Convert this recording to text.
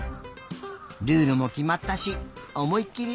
ルールもきまったしおもいきり